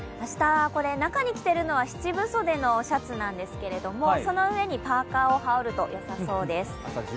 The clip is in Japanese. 中に着ているのは七分袖のシャツなんですけれども、その上にパーカーを羽織るとよさそうです。